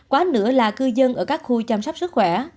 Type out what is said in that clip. quá nữa là cư dân ở các khu chăm sóc sức khỏe